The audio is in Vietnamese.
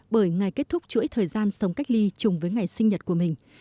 bởi ngày kết thúc chuỗi thời gian sống cách ly chung với ngày sinh nhật của mình